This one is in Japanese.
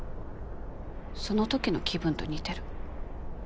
そのときの気分と似てる。